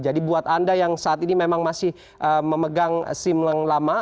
jadi buat anda yang saat ini memang masih memegang sim yang lama